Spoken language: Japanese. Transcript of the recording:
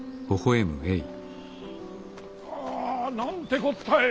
はぁなんてこったい。